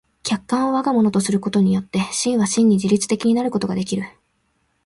客観を我が物とすることによって思惟は真に自律的になることができる。